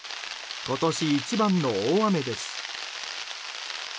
今年一番の大雨です。